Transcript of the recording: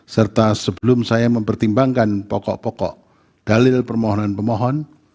serta sebelum saya mempertimbangkan pokok pokok dalil permohonan pemohon